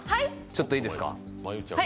ちょっといいですか？